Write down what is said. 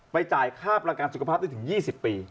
จ่ายค่าประกันสุขภาพได้ถึง๒๐ปี